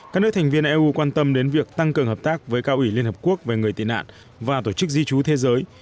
các nước thành viên eu quan tâm đến việc tăng cường hợp tác với cao ủy liên hợp quốc về người tị nạn và tổ chức di trú thế giới